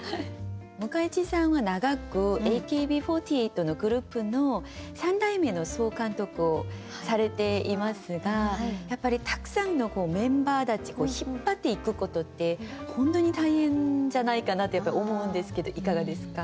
向井地さんは長くＡＫＢ４８のグループの３代目の総監督をされていますがやっぱりたくさんのメンバーたち引っ張っていくことって本当に大変じゃないかなと思うんですけどいかがですか？